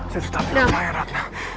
saya tetap di rumahnya ratna